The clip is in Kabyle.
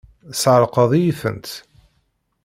Tesεeṛqeḍ-iyi-tent!